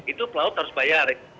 itu pelaut harus bayar